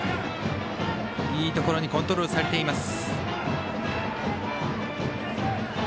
いいところにコントロールされています。